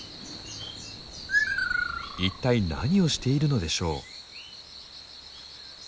一体何をしているのでしょう？